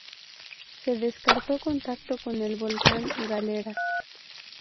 Se descartó contacto con el Volcán Galeras.